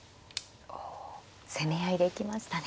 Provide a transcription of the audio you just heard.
攻め合いで行きましたね。